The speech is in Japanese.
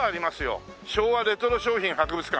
「昭和レトロ商品博物館」。